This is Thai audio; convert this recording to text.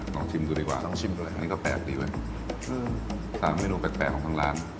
ลองชิมกูดีกว่าอันนี้ก็แปลกดีเว้ย๓ดูแปลกของทางร้าน